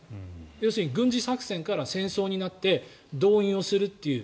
要するに軍事作戦から戦争になって動員をするという。